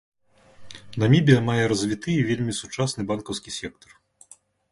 Намібія мае развіты і вельмі сучасны банкаўскі сектар.